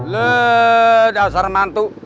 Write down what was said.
lho dasar mantu